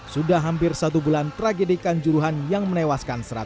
sudah hampir satu bulan tragedi kanjuruhan yang menewaskan satu ratus tiga puluh lima orang